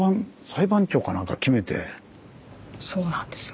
そうなんですよ。